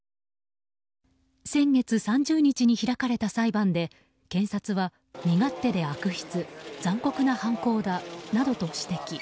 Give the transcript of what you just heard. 先月３０日に開かれた裁判で検察は、身勝手で悪質残酷な犯行だなどと指摘。